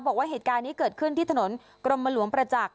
บอกว่าเหตุการณ์นี้เกิดขึ้นที่ถนนกรมหลวงประจักษ